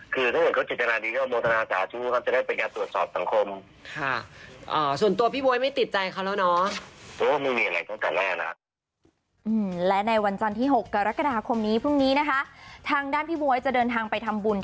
คือถ้าเกิดเค้าเจรจนาดีดีเค้าโมทนาสาธุเค้าจะได้เป็นงานตรวจสอบสังคม